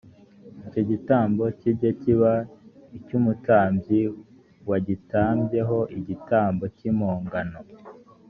icyo gitambo kijye kiba icy umutambyi wagitambye ho igitambo cy impongano